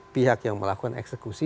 pihak yang melakukan eksekusi